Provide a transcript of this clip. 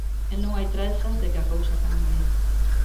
E non hai trazas de que a cousa cambie.